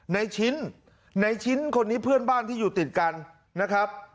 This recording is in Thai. ในชิ้นในชิ้นคนนี้เพื่อนบ้านที่อยู่ติดกันนะครับ